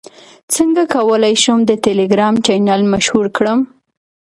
څنګه کولی شم د ټیلیګرام چینل مشهور کړم